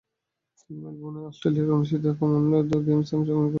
তিনি মেলবোর্নের অস্ট্রেলিয়ায় অনুষ্ঠিত কমনওয়েলথ গেমসে অংশ নেন তৃতীয়বারের জন্যে।